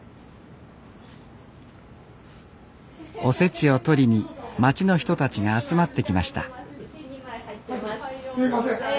おせちを取りに町の人たちが集まってきましたすみません。